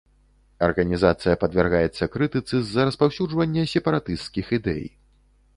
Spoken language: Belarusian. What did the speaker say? Арганізацыя падвяргаецца крытыцы з-за распаўсюджвання сепаратысцкіх ідэй.